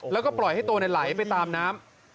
แล้วก็ปล่อยให้ตัวในไหลไปตามน้ำ